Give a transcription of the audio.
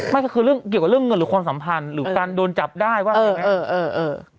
ไม่คือเรื่องเงินหรือความสัมพันธ์หรือการโดนจับได้ว่าอะไรมั้ย